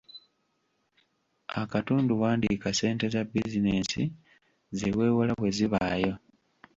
Akatundu wandiika ssente za bizinensi ze weewola bwe zibaayo.